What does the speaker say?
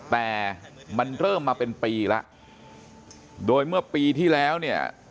แต่มันเริ่มมาเป็นปีแล้วโดยเมื่อปีที่แล้วเนี่ย